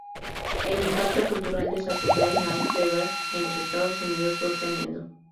El impacto cultural de "Saturday Night Fever" en los Estados Unidos fue tremendo.